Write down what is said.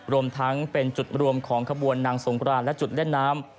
รวมทั้งเป็นจุดรวมของขบวนนางสงครานและจุดเล่นน้ำ